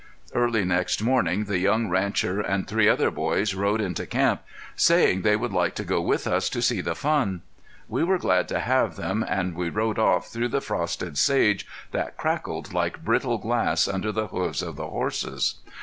Early next morning the young rancher and three other boys rode into camp, saying they would like to go with us to see the fun. We were glad to have them, and we rode off through the frosted sage that crackled like brittle glass under the hoofs of the horses.